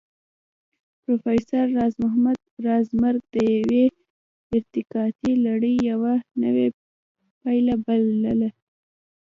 پروفېسر راز محمد راز مرګ د يوې ارتقائي لړۍ يوه نوې پله بلله